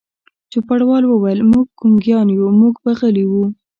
چوپړوال وویل: موږ ګونګیان یو، موږ به غلي وو.